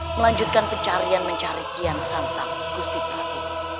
melanjutkan pencarian mencari kian santap gusti prabu